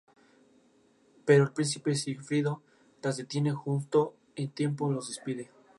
Pero el príncipe Sigfrido les detiene justo a tiempo y los despide.